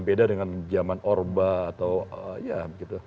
beda dengan zaman orba atau ya gitu